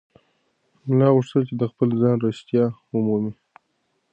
ملا غوښتل چې د خپل ځان رښتیا ومومي.